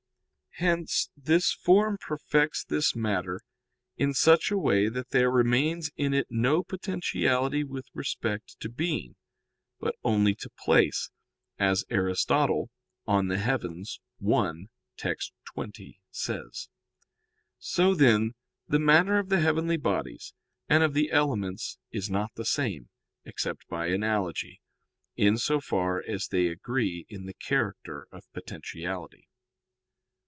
Hence this form perfects this matter in such a way that there remains in it no potentiality with respect to being, but only to place, as Aristotle [*De Coelo i, text. 20] says. So, then, the matter of the heavenly bodies and of the elements is not the same, except by analogy, in so far as they agree in the character of potentiality.